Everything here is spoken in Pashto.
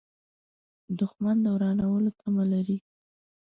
دښمن د ورانولو تمه لري